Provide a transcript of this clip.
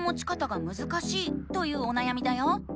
というおなやみだよ。